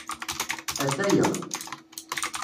Ata-ya.